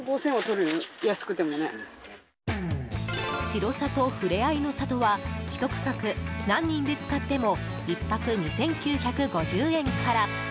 城里ふれあいの里は１区画、何人で使っても１泊２９５０円から。